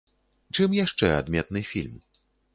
Чым яшчэ адметны фільм?